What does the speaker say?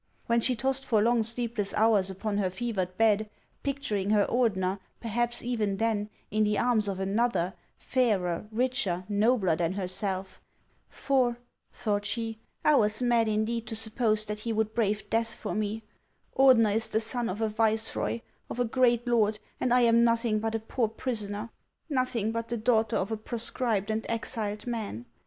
When she tossed for long sleepless hours upon her fevered bed, picturing her Ordener, perhaps even then, in the arms of another, fairer, richer, nobler than herself ? For, thought she, I was mad indeed to suppose that he would brave death for me. Ordener is the son of a viceroy, of a great lord, and I am nothing but a poor prisoner, nothing but the daughter of a proscribed and exiled man.